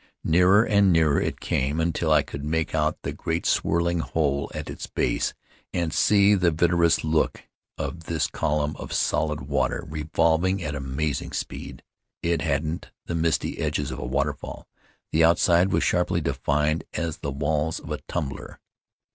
Nearer and nearer it came, until I could make out the great swirling hole at its base, and see the vitreous look of this column of solid water, revolving at amazing speed. It hadn't the misty edges of a waterfall. The outside was sharply de fined as the walls of a tumbler.